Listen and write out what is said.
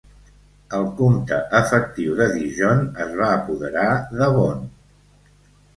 El comte efectiu de Dijon es va apoderar de Beaune.